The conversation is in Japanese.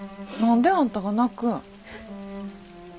何であんたが泣くん。